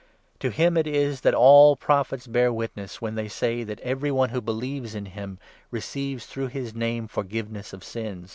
To him 43 it is that all the Prophets bear witness, when they say that every one who believes in him receives through his Name forgiveness of sins."